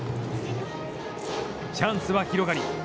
チャンスは広がり